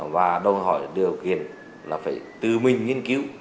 và đòi hỏi điều kiện là phải tự mình nghiên cứu